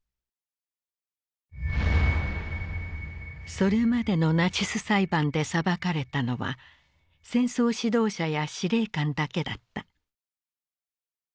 それまでのナチス裁判で裁かれたのは戦争指導者や司令官だけだった。